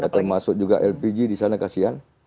termasuk juga lpg di sana kasihan